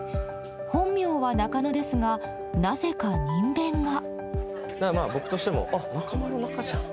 本名は中野ですがなぜか人偏が。